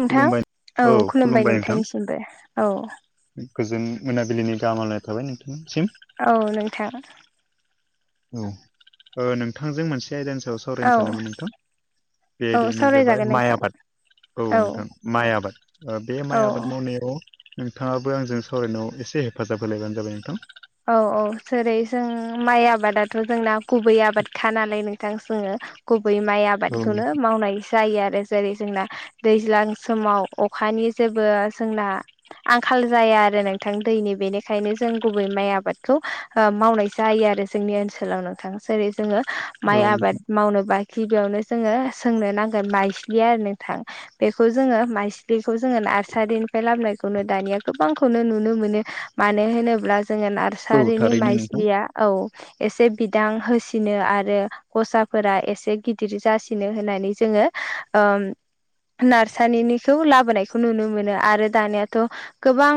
नोंथां औ खुलुमबाय नोंथांनिसिमबो औ गोजोन मोनाबिलिनि गाहामालनाय थाबाय नोंथांनिसिम। औ नोंथां। औ ओ नोंथांजों मोनसे आयदानि सायाव औ सावरायनो सानदोंमोन नोंथां औ बेयदिनो जाबाय सावरायजागोन माइ नोंथां आबाद औ नोंथां माइ आबाद ओ बे माइ औ आबाद मावनायाव नोंथांङाबो आंजों सावरायनायाव एसे हेफाजाब होलायबानो जाबाय नोंथां। औ औ जेरै जों माइ आबादाथ' जोंना गुबै आबादखा नालाय नों थां जोंङो गुबै माइ औ आबादखौनो मावनाय जायो आरो जेरै जोंना दैज्लां समाव अखानि जेबो जोंना आंखाल जाया आरो नोंथां दैनि बेनिखायनो जों गुबु बै माइ आबादखौ ओ मावनाय जायो आरो जोंनि ओनसोलाव नोंथां जेरै जोंङो नोंथां माइ औ आबाद नोंथां मावनोबा खिबियावनो जोंङो सोंनो नांगोन माइस्लि आरो नोंथां। बेखौ जोंङो माइस्लिखौ जोंङो नार्सारिनिफ्राय लाबोनायखौनो दानिया गोबांखौनो नुनो मोनो। मानो होनोब्ला जोंङो औ नार्सारिनि थारैनो नोंथां माइस्लिया औ एसे बिदां होसिनो आरो गसाफोरा एसे गिदिर जासिनो होननानै जोंङो ओम नार्सानिनिखौ लाबोनायखौ नुनो मोनो आरो दानियाथ' गोबां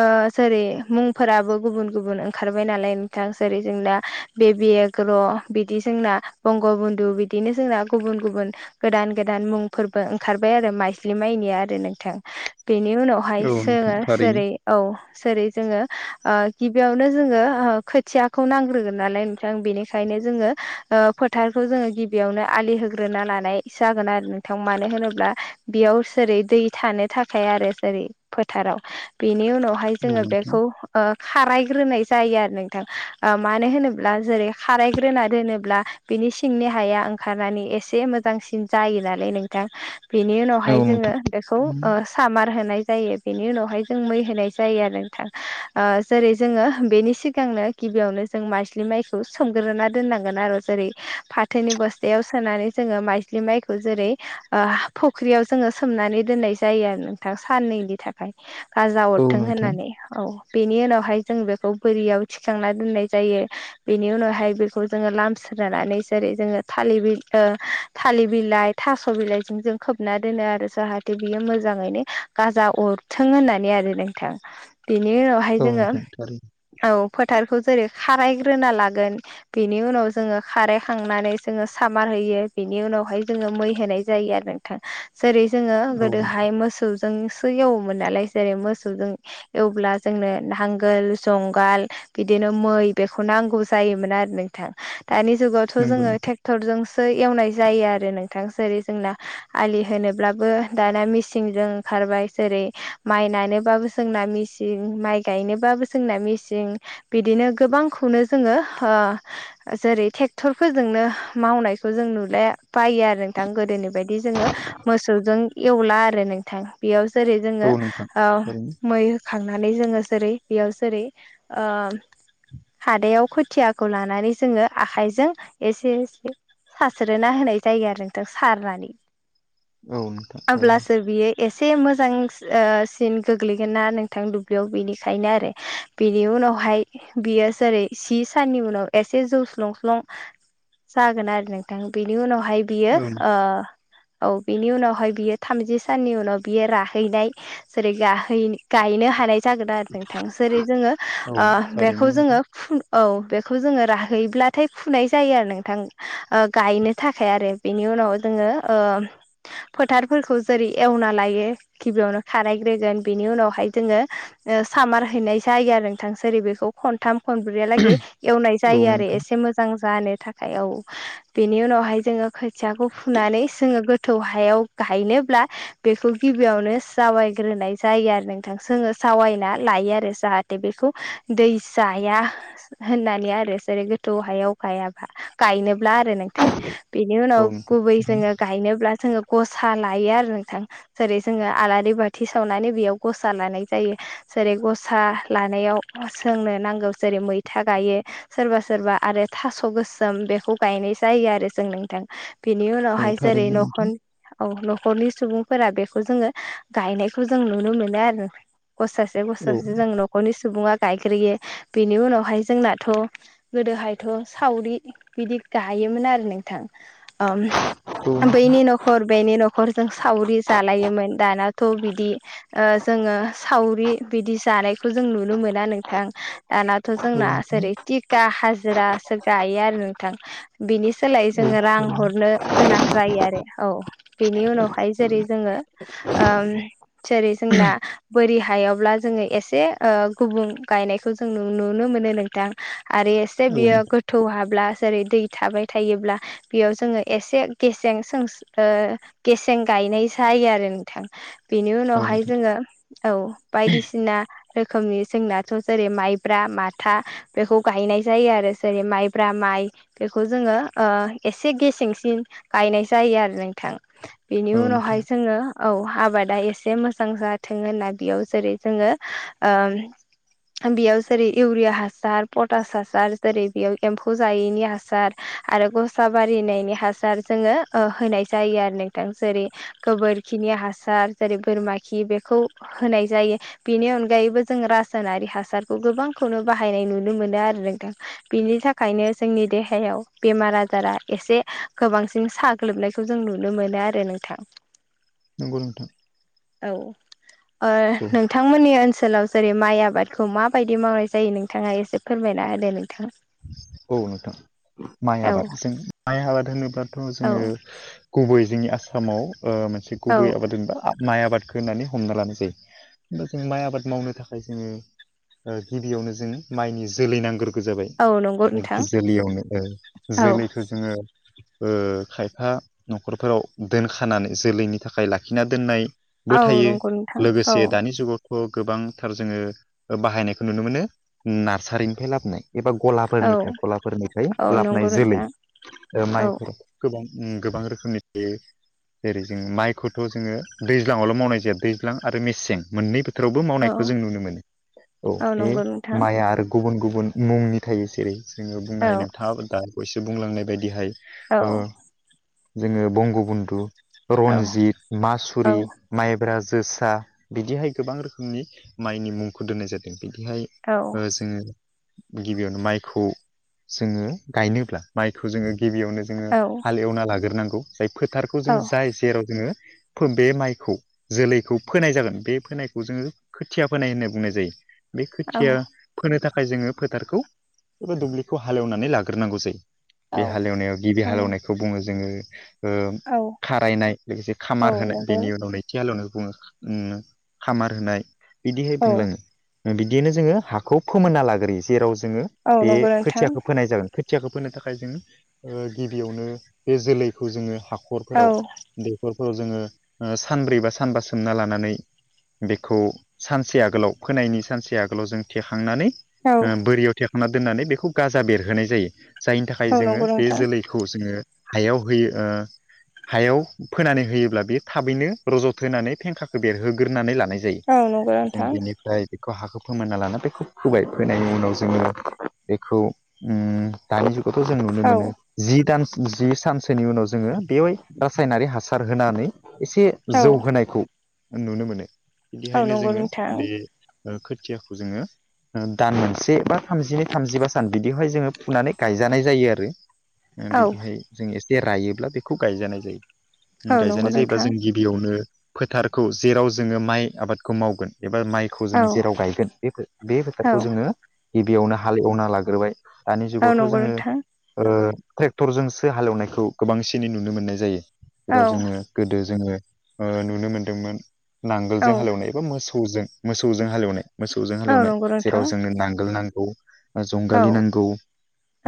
ओ जरै मुंफोराबो गुबुन गुबुन ओंखारबाय नालाय नोंथां जेरै जोंना बेबि ग्र' बिदि जोंना बंग बन्धु बिदिनो जोंना गुबुन गुबुन गोदान गोदान मुंफोरबो ओंखारबाय आरो माइज्लि माइनिया आरो नोंथां बेनि उनाव हाय औ नोंथां सोङो थारैनो जेरै औ जेरै जोंङो ओ गिबियावनो जोंङो ओ खोथियाखौ नांग्रोगोन नालाय नोंथां बेनिखायनो जोंङो ओ फोथारखौ जोंङो गिबियावनो आलि होग्रोना लानाय जागोन आरो नोंथां मानो होनोब्ला बेयाव सोरै दै थानो थाखाय आरो जेरै फोथाराव बिनि उनाव बाहाय औ जोंङो नोंथां बेखौ ओ खारायग्रोनाय जायो आरो नोंथां ओ मानो होनोब्ला जेरै खारायग्रोना दोनोब्ला बिनि सिंनि हाया ओंखारनानै एसे मोजांसिन जायो नालाय नोंथां। बेनि औ उनावहाय नोंथां औ जोंङो नोंथां बेखौ ओस सामार होनाय जायो बेनि उनावहाय जों मै होनाय जायो आरो नोंथां। ओ जेरै जोंङो बेनि सिगांनो गिबियावनो जों माज्लि माइखौ सोमग्रोना दोननांगोन आरो जेरै फाथोनि बस्थायाव सोनानै जोंङो माइज्लि माइखौ जेरै ओ फुब ख्रियाव जोंङो सोमनानै दोननाय जायो आरो नोंथां साननैनि थाख फाय गाजा अरथों होननानै औ बेनि उनावहाय जों बेखौ बोरियाव थिखांना दोननाय जायो। बेनि उनावहाय बेखौ जोंङो लाम सोनानै जेरै जोंङो थालिर बि ओ थालिर बिलाइ थास' बिलाइजों जों खोबना दोनो आरो जाहाथे बियो मोजांङैनो गाजा अरथों होननानै आरो नोंथां। बेनि उनावहाय औ जोङो नोंथां थारैनो औ फोथारखौ जेरै खारायग्रोना लागोन। बेनि उनाव जोङो खारै खांनानै जोङो सामार होयो बेनि उनावहाय जोङो मै होनाय जायो आरो। [unintelligible] जेरै जोङो औ नोंथां गोदोहाय मोसौजोंसो एवोमोन नालाय जेरै मोसौजों एवब्ला जोंनो नांगोल जंगाल बिदिनो मै बेखौ नांगौ जायोमोन आरो नोंथां दानि जुगावथ' नंगौ जोङो नोंथां टेक टरजोंसो एवनाय जायो आरो नोंथां जेरै जोंना आलि होनोब्लाबो दाना मेसिंजों खारबाय जेरै माइ नायनोबाबो जोंना मिस [unintelligible] माइ गायनोबाबो जोंना मेसिं बिदिनो गोबांखौनो जोङो ओ ओ जेरै थेक्टरफोरजोंनो मावनायखौ जों नुले बायो आरो नोंथां गोदोनि बायदि जोङो मोसौजों एवला आरो नोंथां बेयाव जेरै जोङो औ नोंथां औ थारैनो मै खांनानै जोङो जेरै बेयाव जेरै हादायाव खोथियाखौ लानानै जोङो आखाइजों एसे एसे सास्रोना होनाय जायो आरो नोंथां सारनानै। औ नोंथां अब्लासो थारैनो बियो एसे मोजांस ओ सिन गोग्लैगोन ना नों थां दुब्लियाव बेनिखायनो आरो बेनि उनावहाय बियो जेरै जि साननि उनाव एसे जौ स्लं स्लं जागोन आरो नोंथां बेनि उनावहाय बियो ओं ओ औ बिनि उनावहाय बियो थामजि साननि उनाव बियो राहैनाय जेरै गाहै गायनो हानाय जागोन आरो नोंथां जेरै जोङो औ ओ बेखौ जोङो ओरैनो फु औ बेखौ जोङो राहैब्लाथाय फुनाय जायो आरो नोंथां ओ गायनो थाखाय आरो बेनि उनाव जोङो ओम फोथारफोरखौ जेरै एवना लायो गिबियावनो खारायग्रोगोन बिनि उनाव हाय जोङो ओ सामार हैनाय जायो आरो नोंथां जेरै बेखौ खन्थाम खनब्रैयालागै एवनाय औ जायो आरो नोंथां एसे मोजां जानो थाखाय औ बेनि उनावहाय जोङो खोथियाखौ फुनानै जोङो गोथौ हायाव गायनोब्ला बेखौ गिबियावनो जावायग्रोनाय जायो आरो नों थां जोङो जावायना लायो आरो जाहाथे बेखौ दै जाया होननानै आरो जेरै गोथौ हायाव गायाबा गायनोब्ला आरो नोंथां। बिनि औ उनाव गुबै नोंथां जोङो गायनोब्ला जोङो गसा लायो आरो नोंथां जेरै जोङो आलारि बाथि सावनानै बेयाव गसा लानाय जायो जेरै गसा लानायाव जोंनो नांगौ जेरै मैथा गायो। सोरबा सोरबा आरो थास' गोसोम बेखौ गायनाय जायो आरो जों नोंथां। बेनि औ उनावहाय जेरै थारैनो नोंथां न'खन औ न'खरनि सुबुंफोरा बेखौ जोङो गायनायखौ जों नुनो मोनो आरो नोंथां गसास बे [unintelligible] औ जों न'खरनि सुबुङा गायग्रोयो बेनि उनावहाय जोंनाथ' गोदोहायथ' सावरि बिदि गायोमोन आरो नोंथां ओम औ बैनि न'खर बेनि न'खर जों सावरि जालायोमोन दानाथ' बिदि ओ जोङो सावरि बिदि जानायखौ जों नुनो मोना नोंथां दानाथ' नोंथां औ जोंना नोंथां जेरै टिका हाजिरासो गायो आरो नोंथां। बिनि सोलाय औ जोङो रां थारैनो हरनो गोनां जायो आरो औ बेनि उनावहाय जेरै जोङोे ओम जेरै जोंना बोरि हायावब्ला जोङो एसे ओ गुबुं गायनायखौ जों नु-नुनो मोनो नोंथां। आरो एसे औ बियो नोंथां गोथौ हाब्ला जेरै दै थाबाय थायोब्ला बेयाव जोङो एसे गेसें सोंस ओ गेसें गायनाय जायो आरो नोंथां बेनि औ उनावहाय नोंथां जोङो औ बायदिसि सिना रोखोमनि जोंनाथ' जेरै माइब्रा माथा बेखौ गायनाय जायो आरो जेरै माइब्रा माइ बेखौ जोङो ओ एसे गेसेंसिन गायनाय जायो आरो नोंथां। बेनि औ नोंथां उनावहाय जोङो औ आबादा एसे मोज जां जाथों होनना बेयाव जेरै जोङो ओ बेयाव जेरै इउरिया हासार पटास हासार जेरै बेयाव एम्फौ जायैनि हासार। आरो गसा बारिनायनि हासार जोङो ओ होनाय जायो आरो नोंथां जेरै गोबोरखिनि हासार जेरै बोरमा खि बेखौ होनाय जायो। बेनि अनगायैबो जों रासायनारि हासारखौ गोबांखौनो बाहायनाय नुनो मोनो आरो नोंथां। बिनि थाखायनो जोंनि देहायाव बेमार आजारा एसे गोबांसिन सा ग्लोबनायखौ जों नुनो मोनो आरो नोंथां। नंगौ नोंथां। औ ओ नोंथां औ नोंथांमोननि ओनसोलाव जेरै माइ आबादखौ माबायदि मावनाय जायो नोंथाङा एसे फोरमायना होदो नोंथां। औ नोंथां माइ औ आबाद जों माइ आबाद होनोब्लाथ' औ जोङो गुबै जोंनि आसामाव ओ मोनसे औ गुबै आबाद होनबा माइ आबादखौ होननानै हमना लानाय जायो होनबा जों माइ आबाद मावनो थाखाय जोङो ओ गिबियावनो जों माइनि जोलै नांग्रोगौ जाबाय। औ नंगौ नोंथां [unintelligible] औ जोलैखौ जोङो ओ खायफा न'खरफोराव दोनखानानै जोलैनि थाखाय लाखिना दोननाय बो औ थायो नंगौ नोंथां लोगोसे औ दानि जुगाव ओ गोबांथार जोङो बाहायनायखौ नुनो मोनो नारसारिनिफ्राय लाबोनाय एबा गला फोरनिफ्राय खलाफोरनिफ्राय औ नंगौ लाबोनाय जोलै नोंथां औ माइफोर गोबां ओं गोबां रोखोमनि थायो। जेरै जों माइखौथ' जोङो दैज्लाङावल' मावनाय जाया दैज्लां आरो मेसें मोननै थोरावबो औ मावनायखौ जों नुनो मोनो औ बे नंगौ नोंथां माइआ आरो गुबुन गुबुन मुंनि थायो जेरै जोङो बुंनो औ हायो नोंथाङा दा बावयैसो बुंलांनाय बायदिहाय औ ओ जोङो बंगबन्धु औ रनजित मासुरि माइब्रा जोसा बिदिहाय गोबां रोखोमनि माइनि मुंखौ दोननाय जादों बिदिहाय ओ जोङो गिबियावनो माइखौ जोङो गायनोब्ला माइखौ जोङो गिबियावनो जोङो हाल एवना लाग्रोनांगौ जाय फोथारखौ जों औ जाय जेराव जोङो फो बे माइखौ जोलैखौ फोनाय जागोन बे फोनायखौ जोङो खोथिया फोनाय होनना बुंनाय जायो। बे खोथिया फोनो थाखाय जोङो फोथारखौ एबा दुब्लिखौ हालेवनानै लाग्रोनांगौ जायो। औ बे हालेवनायाव गिबि हालेवनायखौ बुङो जोङो ओ खारायनाय लोगोसे खामार होनाय नंगौ बेनि उनाव नै थि हालेवनाय बुङो ओं खामार होनाय औ बिदिहाय [unintelligible] बिदियैनो जोङो हाखौ फोमोनना लाग्रोयो जेराव जोङो औ बे नंगौ नोंथां खोथियाखौ फोनाय जागोन। खोथियाखौ फोनो थाखाय जों ओ गिबियावनो बे जोलैखौ जोङो औ हाखरफोराव दैखरफोराव जोङो ओ सानब्रै बा सानबा सोमना लानानै बेखौ सानसे आगोलाव फोनायनि सानसे आगोलाव जों थेखांनानै औ ओ बोरियाव थेखांना दोननानै बेखौ गाजा बेरहोनाय जायो जायनि थाखाय औ जोङो नंगौ बे नोंथां जोलै खौ जोङो हायाव होयो ओ हायाव फोनानै होयोब्ला बे थाबैनो रज' थोनानै फेंखाखौ बेरहोग्रोनानै लानाय औ नंगौ जों नोंथां बेनिफ्राय बेखौ हाखौ फोमोनना लाना बेखौ फोबाय फोनायनि उनाव जोङो बेखौ ओं दानि जुगावथ' जों नुनो औ मोनो जि दान जि सान नि उनाव जोङो बेवहाय रासायनारि हासार होनानै एसे औ जौहोनायखौ नुनो मोनो औ बिदिखायनो नंगौ जोङो नोंथां बे ओ खोथियाखौ जोङो दान मोनसे बा थामजिनै थामजिबा सान बिदियावहाय जोङो फुनानै गायजानाय जायो आरो ओ औ बिदिहाय जों एसे रायोब्ला बेखौ गायजानाय जायो नंगौ गायजानाय जायोब्ला नोंथां जों बेयावनो फोथारखौ जेराव जोङो माइ आबादखौ मावगोन एबा माइ खौ औ जों जेराव गायगोन बे बे औ फोथारखौ जोङो गिबियावनो हाल एवना लाग्रोबाय। दानि औ जुगावथ' नंगौ जोङो नोंथां ओ ट्रेक्टरजोंसो हालेवनायखौ गोबांसिनै नुनो मोननाय जायो औ जेराव जोंङो गोदो जोंङो नुनो मोनदोंमोन औ नांगोलजों हालेवनाय। मोसौजों मोसौजों हालेवनाय मोसौजों औ हालेवनाय नंगौ नोंथां जेराव जोंनो नांगोल नांगौ। औ जंगालि नांगौ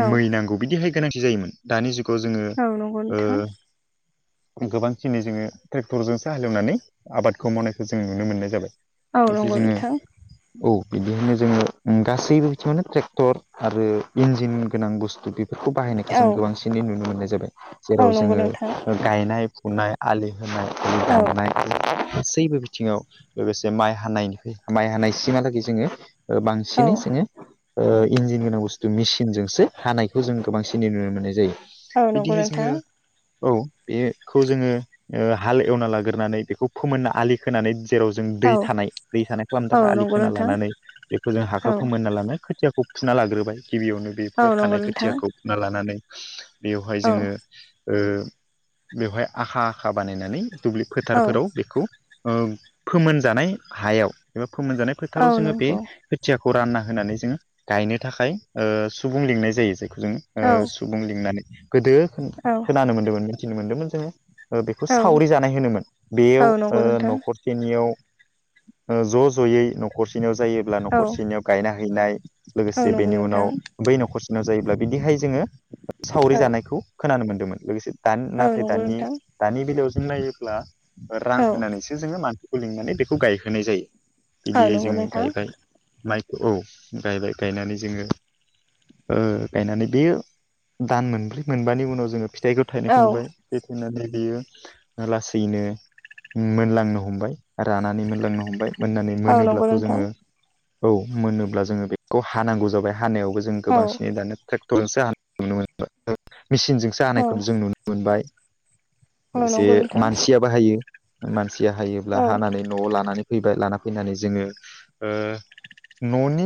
औ मै नांगौ बिदिहाय गोनांथि जायोमोन। दानि जुगाव जोंङो औ नंगौ नोंथां ओ गोबांखिनि जोंङो ट्रेक्टरजोंसो हालेवनानै आबादखौ मावनायखौ जों नुनो मोननाय जाबाय। औ एसे नंगौ जोंङो नोंथां औ बिदिहायनो जोंङो गासैबो बिथिङावनो ट्रेक्टर आरो इन्जिन गोनां बुस्थु बेफोरखौ बाहायनायखौ औ जों गोबांसिन बिदि नुनो मोननाय जाबाय। औ जेराव नंगौ जोंङो नोंथां गायनाय फुनाय आलि खोनाय आलि औ दाननाय [unintelligible] गासैबो बिथिङाव लोगोसे माइ हानायनिफ्राय माइ हानाय सिमहालागै जोंङो ओ बांसिन औ नै जोंङो ओ इन्जिन गोनां बुस्थु मेसिनजोंसो हानायखौ जों गोबांसिन नुनो मोन्नाय जायो। औ नंगौ बिदिहाय जोंङो नोंथां औ बेखौ जोंङो ओ हाल एवना लाग्रोनानै बेखौ फोमोनना आलि खोनानै जेराव जों दै औ थानाय दै थानाय खालामनो थाखाय औ आलि नंगौ खोना नोंथां लानानै बेखौ जों औ हाखौ खोना लानानै खोथियाखौ फुना लाग्रोबाय गिबियावनो बेफोर औ नंगौ खानाय नोंथां खोथियाखौ फुना लानानै बेवहाय औ जोंङो ओ बेवहाय आखा आखा बानायनानै दुब्लि औ फोथारफोराव बेखौ ओ फोमोनजानाय हायाव एबा फोमोनजानाय औ फोथाराव जोंङो बे नंगौ खोथिया खौ रानना होनानै जोंङो गायनो थाखाय ओ सुबुं लिंनाय जायो जायखौ जों औ ओ सुबुं लिंनानै गोदो औ। खोनानो मोनदोंमोन मिथिनो मोनदोंमोन जोंङो ओ बेखौ सावरि जानाय होनोमोन बेयाव औ ओ नंगौ नोंथां नखर सेनियाव ज' ज'यै न'खरसेनियाव जायोब्लानो औ नखरसेनियाव गायना हैनाय औ लोगोसे नंगौ बेनि नोंथां उनाव बै न'खरसेनियाव जायोब्ला बिदिहाय जोंङो सावरि औ जानायखौ खोनानो मोन्दोंमोन लोगोसे दानि औ नाथाय नंगौ दानि नोंथां दानि बेलायाव जों नायोब्ला रां औ होनानैसो जोंङो मानसिखौ लिंनानै बेखौ गायहोनाय जायो औ बिदियै नंगौ जोंङो गायबाय। माइखौ औ गायबाय गायनानै जोंङो ओ गायनानै बेयो दान मोनब्रै मोनबानि उनाव जोंङो फिथाइखौ थाइनायखौ नोंथां नुबाय। दै थेनानै बेयो लासैनो मोनलांनो हमबाय रानानै मोनलांनो हमबाय औ मोननानै औ नंगौ मोनोब्लाथ' नोंथां जोंङो औ मोनोब्ला जोंङो बेखौ हानांगौ जाबाय हानायावबो जों औ गोबांसिन दानोे [unintelligible] मेसिनजोंसो औ हानायखौ जों नुनो मोनबाय। औ लोगोसे नंगौ नोंथां मानसियाबो हायो मानसिया हायोब्ला औ हानानै न'आव लानानै फैबाय लाना फैनानै जोंङो ओ न'नि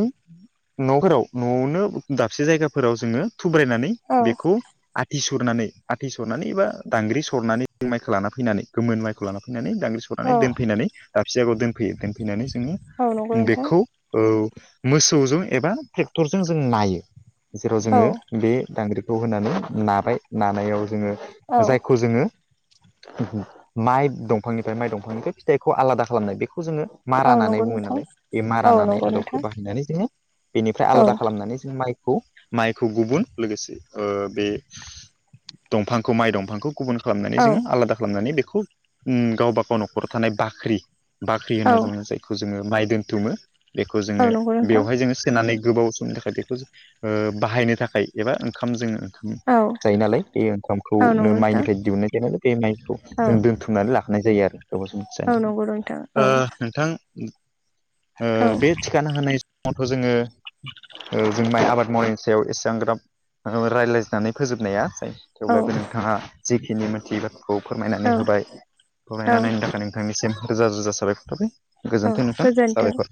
न'फोराव न'आवनो दाबसे जायगाफोराव जोंङो थुब्रायनानै औ बेखौ आथिस सुरनानै आथि सरनानै एबा दांग्रि सरनानै माइखौ लाना फैनानै गोमोन माइखौ लाना फैनानै दांग्रि सरनानै औ दोनफैनानै दाबसे जायगायाव दोनफैयो दोनफैनानै जोंङो औ नंगौ नोंथां बेखौ औ मोसौजों एबा ट्रेक्टरजों जों नायो जेराव औ जोंङो बे दांग्रिखौ होनानै नाबाय नानायाव जोंङो औ जायखौ जोंङो माइ दंफांनिफ्राय माइ दंफांनिफ्राय फिथाइखौ आलादा खालामनाय बेखौ जोंङो औ मारा नंगौ नानाय बुङो नोंथां नालाय बे मारा औ नानाय नंगौ आदबखौ नोंथां बाहायनानै जोंङो बेनिफ्राय औ आलादा खालामनानै जों माइखौ माइखौ गुबुन लोगोसे ओ बे दंफांखौ माइ दंफांखौ गुबुन खालामनानै औ जोंङो आलादा खालामनानै बेखौ उम गावबागाव न'खराव थानाय बाख्रि बाख्रि औ होनना जोंङो जायखौ जोंङो माइ दोनथुमो बेखौ जोंङो औ नंगौ नोंथां बेवहाय जोंङो सोनानै गोबाव समनि थाखाय बेखौ ओ बाहायनो थाखाय एबा ओंखाम जोंङो ओं औ जायो नालाय बे औ ओंखामखौनो नंगौ नोंथां माइनिफ्राय दिहुननाय जायो नालाय बे माइखौ औ जों दोनथुम बुथुनानै लाखानाय जायो आरो गोबाव सम औ थिनानै नंगौ नोंथां दोननो औ ओ नोंथां ओ औ बे थिखाना होनाय समावथ' जोङो ओ जों माइ आबाद मावनायनि सायाव एसांग्राब रायज्लायनानै फोजोबनाया जायो। औ थेवब्लाबो नोंथाङा जिखिनि मोनथियि बाथ्राखौ फोरमायनानै औ होबाय फोरमायनानै होनायनि औ थाखाय नोंथांनिसिम रोजा रोजा साबायखर थाबाय गोजोन्थों नोंथां गोजोन्थों साबायखर।